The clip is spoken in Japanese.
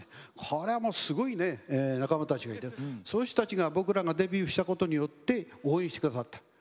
これはもうすごいね仲間たちがいてそういう人たちが僕らがデビューしたことによって応援してくださった。